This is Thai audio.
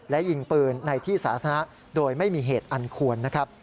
และยิงปืนในที่สาธารณะโดยไม่มีเหตุอันควรนะครับ